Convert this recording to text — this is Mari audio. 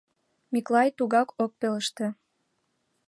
Миклай тугак ок пелеште.